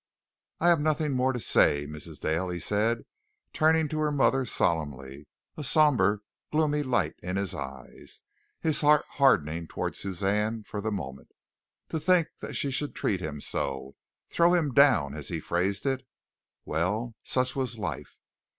"I have nothing more to say, Mrs. Dale," he said, turning to her mother solemnly, a sombre, gloomy light in his eye, his heart hardening towards Suzanne for the moment. To think she should treat him so throw him down, as he phrased it. Well, such was life.